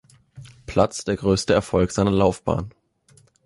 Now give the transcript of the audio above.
Platz der größte Erfolg seiner Laufbahn.